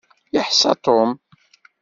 Iḥsa Tom.